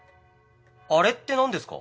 あれってなんですか？